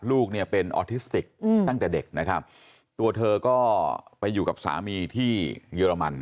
ลูกเนี่ยเป็นออทิสติกตั้งแต่เด็กนะครับตัวเธอก็ไปอยู่กับสามีที่เยอรมัน